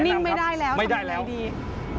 เรานิ่งไม่ได้แล้วทำอย่างไรดีไม่ได้แล้ว